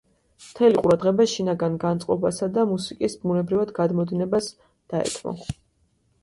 მთელი ყურადღება შინაგან განწყობასა და მუსიკის ბუნებრივად გადმოდინებას დაეთმო.